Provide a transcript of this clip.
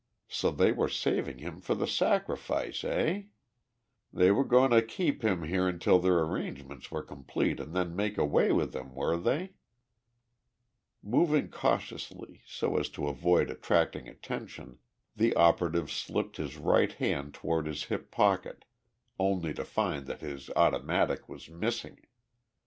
So they were saving him for the sacrifice, eh? They were going to keep him here until their arrangements were complete and then make away with him, were they? Moving cautiously, so as to avoid attracting attention, the operative slipped his right hand toward his hip pocket, only to find that his automatic was missing.